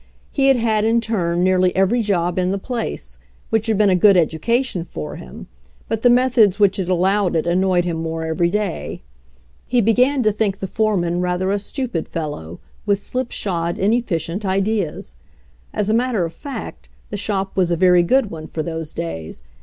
He had had in turn nearly every job in the place, which had been a good education for him, but the methods which had allowed it annoyed him more every day. He be gan to think the foreman rather a stupid fellow, with slipshod, inefficient ideas. As a matter of fact, the shop was a very good one for those days.